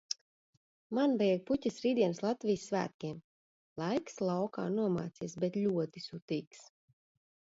Man vajag puķes rītdienas Latvijas svētkiem. Laiks laukā nomācies, bet ļoti sutīgs.